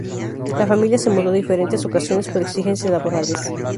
La familia se mudó en diferentes ocasiones por exigencias laborales.